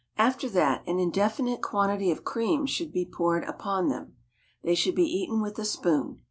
After that an indefinite quantity of cream should be poured upon them. They should be eaten with a spoon.